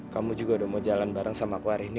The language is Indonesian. kamu juga udah mau jalan bareng sama aku hari ini